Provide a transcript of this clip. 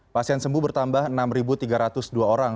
pasien sembuh bertambah enam tiga ratus dua orang